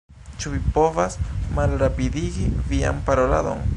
"Ĉu vi povas malrapidigi vian paroladon?"